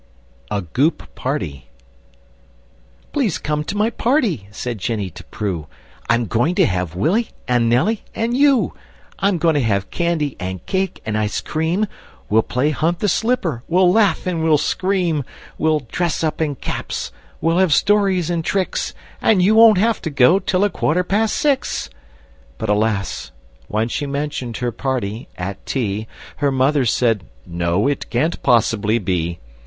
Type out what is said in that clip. [Illustration: A Goop Party] A GOOP PARTY "Please come to my party!" said Jenny to Prue; "I'm going to have Willy, and Nelly, and you; I'm going to have candy and cake and ice cream, We'll play Hunt the Slipper, we'll laugh and we'll scream. We'll dress up in caps, we'll have stories and tricks, And you won't have to go till a quarter past six!" But alas! When she mentioned her party, at tea, Her mother said, "No! It can't possibly be!"